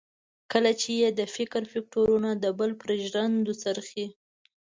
کله چې یې د فکر فکټورنه د بل پر ژرندو څرخي.